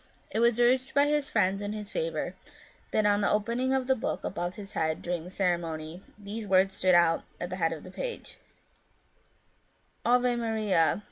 It was urged by his friends in his favour, that on the opening of the book above his head, during the ceremony, these words stood out at the head of the page, *^ Ave Maria!